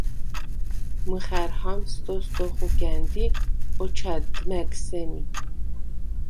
მჷხა̈რ ჰამს დოსდ ოხუგა̈ნდ ი ოჩვა̈დდ მა̈გ სემი.